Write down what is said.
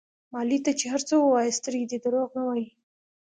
مالې ته چې هر څه ووايې سترګې دې دروغ نه وايي.